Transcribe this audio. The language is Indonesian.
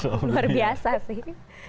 iya luar biasa sih